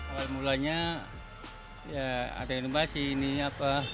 awal mulanya ya ada inovasi ini apa